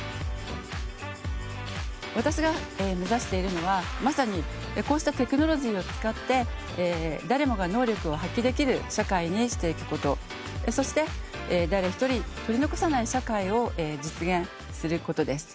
私が目指しているのはまさに、こうしたテクノロジーを使って誰もが能力を発揮できる社会にしていくこと、そして誰１人取り残さない社会を実現することです。